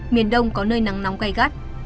miền đông có nơi nắng nóng gai gắt